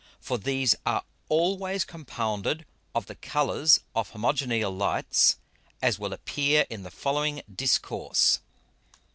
_ For these are always compounded of the colours of Homogeneal Lights; as will appear in the following Discourse.